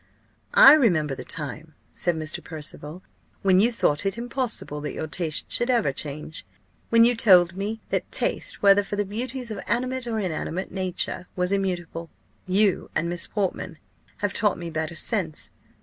"I remember the time," said Mr. Percival, "when you thought it impossible that your taste should ever change; when you told me that taste, whether for the beauties of animate or inanimate nature, was immutable." "You and Miss Portman have taught me better sense.